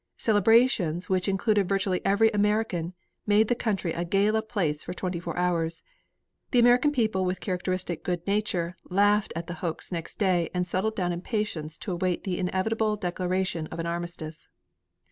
Celebrations which included virtually every American, made the country a gala place for twenty four hours. The American people with characteristic good nature laughed at the hoax next day and settled down in patience to await the inevitable declaration of an armistice.